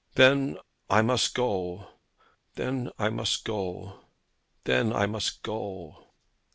Then I must go; then I must go; then I must go.'